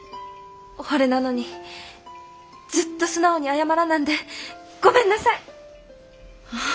ほれなのにずっと素直に謝らなんでごめんなさい！